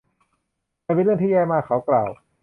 มันเป็นเรื่องที่แย่มาก เขากล่าว